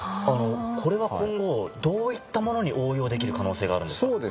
これは今後どういったものに応用できる可能性があるんですか？